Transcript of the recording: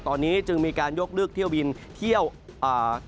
ตอนนี้จึงมีการยกลึกที่เอาบิน